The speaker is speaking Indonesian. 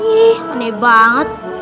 ih aneh banget